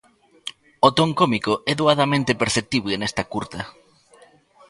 O ton cómico é doadamente perceptible nesta curta.